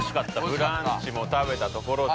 ブランチも食べたところで。